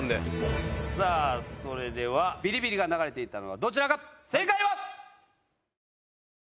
それではビリビリが流れていたのはどちらか。